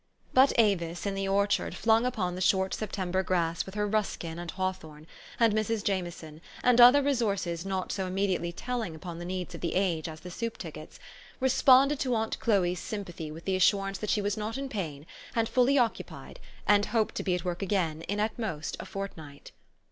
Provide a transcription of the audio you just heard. But Avis in the orchard, flung , upon the short September grass with her Ruskin and Hawthorne, and Mrs. Jameson, and other resources not so im mediately telling upon the needs of the age as the soup tickets, responded to aunt Chloe's sympathy with the assurance that she was not in pain, and fuUy occupied, and hoped to be at work again in at most a fortnight.